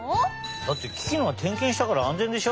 だってキキのはてんけんしたから安全でしょ？